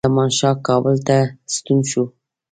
زمانشاه کابل ته ستون شو.